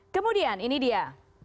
kemudian ini dia